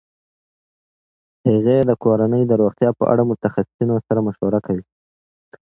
هغې د کورنۍ د روغتیا په اړه د متخصصینو سره مشوره کوي.